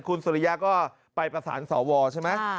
คุณสุริยะก็ไปประสานสวใช่ไหม